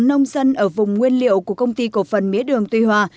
nông dân ở vùng nguyên liệu của công ty cổ phần mía đường tuy hòa